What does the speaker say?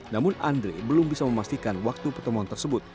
namun andre belum bisa memastikan waktu pertemuan tersebut